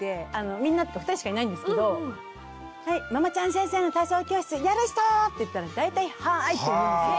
みんなって２人しかいないんですけど「はいママちゃん先生の体操教室やる人？」って言ったら大体「はい！」って言うんですよ。